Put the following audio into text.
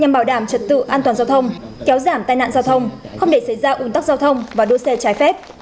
nhằm bảo đảm trật tự an toàn giao thông kéo giảm tai nạn giao thông không để xảy ra ủn tắc giao thông và đua xe trái phép